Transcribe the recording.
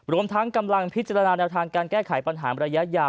รวมทั้งกำลังพิจารณาแนวทางการแก้ไขปัญหาระยะยาว